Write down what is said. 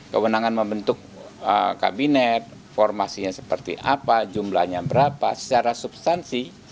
kewenangan membentuk kabinet formasinya seperti apa jumlahnya berapa secara substansi